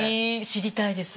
知りたいです。